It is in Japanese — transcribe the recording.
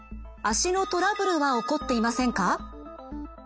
足のトラブルは起こっていませんか？